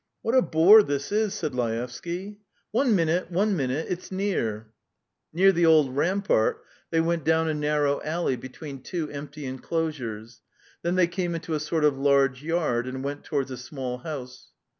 "What a bore this is!" said Laevsky. "One minute, one minute ... it's near." Near the old rampart they went down a narrow alley between two empty enclosures, then they came into a sort of large yard and went towards a small house.